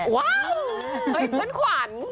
เฮ้ยเพื่อนขวัญ